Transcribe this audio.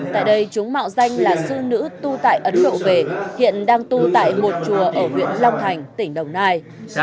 tại đây chúng mạo danh là sư nữ tu tại ấn độ về hiện đang tu tại một chùa ở huyện long thành tỉnh đồng nai